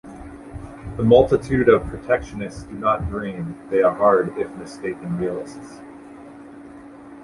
The multitude of protectionists do not dream. They are hard, if mistaken, realists.